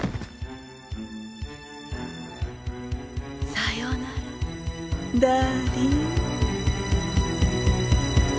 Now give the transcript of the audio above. さようならダーリン。